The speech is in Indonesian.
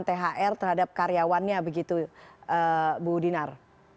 thr terhadap karyawannya begitu bu dinar